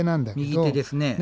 右手ですね。